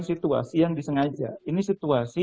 situasi yang disengaja ini situasi